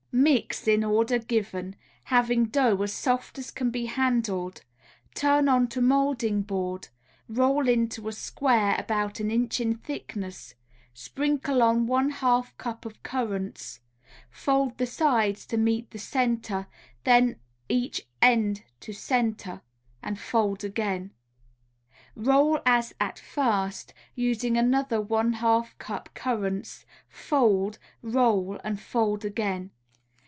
Mix in order given, having dough as soft as can be handled, turn onto moulding board, roll into a square about an inch in thickness, sprinkle on one half cup of currants, fold the sides to meet the centre, then each end to centre, and fold again. Roll as at first, using another one half cup currants, fold, roll and fold again.